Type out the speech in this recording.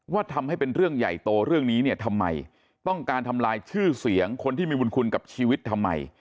ทำให้เป็นเรื่องใหญ่โตเรื่องนี้เนี่ยทำไมต้องการทำลายชื่อเสียงคนที่มีบุญคุณกับชีวิตทำไม